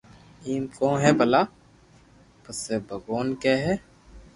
ايم ڪون ھي ڀلا پسي ڀگوان ڪي اي